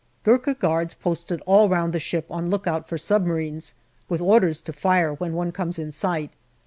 Gurkha guards posted all round the ship on lookout for submarines, with orders to fire when one comes in sight.